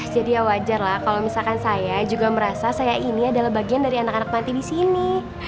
jadi ya wajar lah kalau misalkan saya juga merasa saya ini adalah bagian dari anak anak panti disini